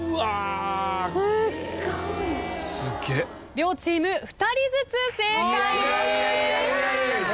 両チーム２人ずつ正解です。